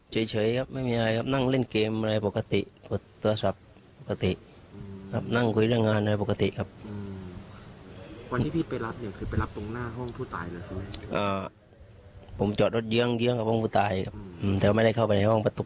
ก็ต้องรอความคืบหน้าจากทางตำรวจนะคะเพราะว่าตอนนี้ในก้าวแฟนหนุ่มของผู้เสียชีวิตยังหายตัวไปอยู่